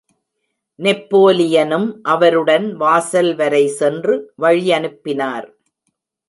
நெப்போலியனும் அவருடன் வாசல் வரை சென்று வழியனுப்பினார்.